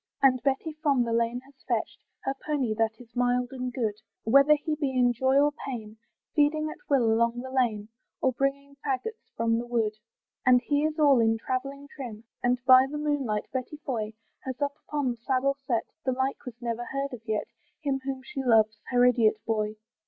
And Betty from the lane has fetched Her pony, that is mild and good, Whether he be in joy or pain, Feeding at will along the lane, Or bringing faggots from the wood. And he is all in travelling trim, And by the moonlight, Betty Foy Has up upon the saddle set, The like was never heard of yet, Him whom she loves, her idiot boy.